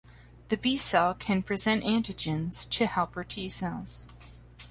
The B cell can present antigens to helper T cells.